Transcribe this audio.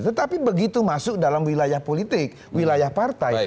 tetapi begitu masuk dalam wilayah politik wilayah partai